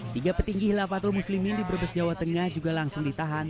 tiga petinggi hilafatul muslimin di brebes jawa tengah juga langsung ditahan